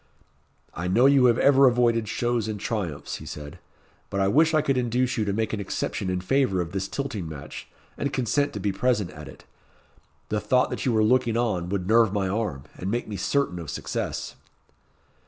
"I know you have ever avoided shows and triumphs," he said; "but I wish I could induce you to make an exception in favour of this tilting match, and consent to be present at it. The thought that you were looking on would nerve my arm, and make me certain of success."